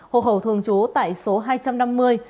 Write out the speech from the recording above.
hồ khẩu thường chú tại số hai trăm năm mươi